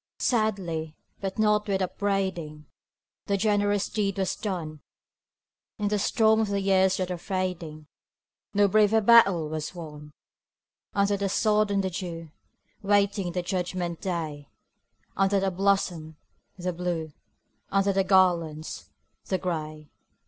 Sadly, but not with upbraiding, The generous deed was done, In the storm of the years that are fading No braver battle was won: Under the sod and the dew, Waiting the judgment day; Under the blossoms, the Blue Under the garlands, the Gray.